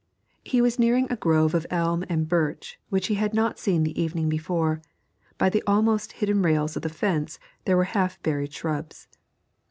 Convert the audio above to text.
He was nearing a grove of elm and birch which he had not seen the evening before; by the almost hidden rails of the fence there were half buried shrubs.